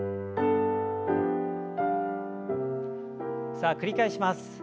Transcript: さあ繰り返します。